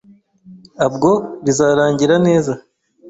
abwo bizarangira neza.